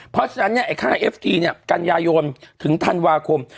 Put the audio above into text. เพราะฉะนั้นเนี่ยไอ้ค่าเอฟทีเนี่ยกันยายนถึงธันวาคม